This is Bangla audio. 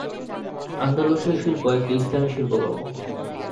আন্দালুশীয় শিল্প একটি ইসলামি শিল্পকর্ম।